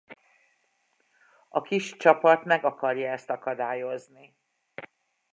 A kis csapat meg akarja ezt akadályozni.